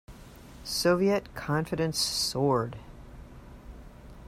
Soviet confidence soared.